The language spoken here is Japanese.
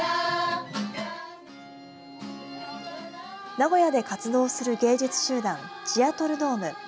名古屋で活動する芸術集団チアトルドーム。